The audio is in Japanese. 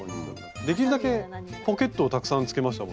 できるだけポケットをたくさんつけましたもんね。